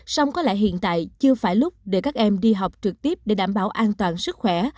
sông có lẽ hiện tại chưa phải lúc để các em đi học trực tiếp để đảm bảo an toàn sức khỏe